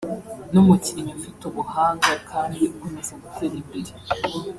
n’umukinnyi ufite ubuhanga kandi ukomeza gutera imbere